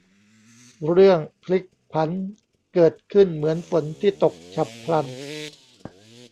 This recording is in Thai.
เรื่องพลิกผันเกิดขึ้นเหมือนฝนที่ตกฉับพลัน